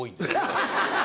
ハハハハ！